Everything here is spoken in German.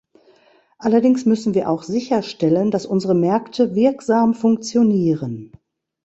Allerdings müssen wir auch sicherstellen, dass unsere Märkte wirksam funktionieren.